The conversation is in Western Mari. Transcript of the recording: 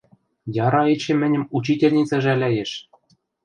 Яра эче мӹньӹм учительница жӓлӓйӹш.